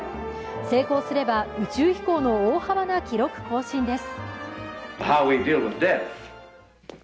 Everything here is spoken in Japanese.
成功すれば宇宙飛行の大幅な記録更新です。